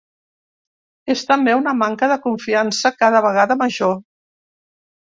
És també una manca de confiança cada vegada major.